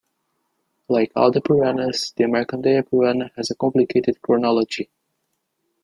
Like all the Puranas, the "Markandeya Purana", has a complicated chronology.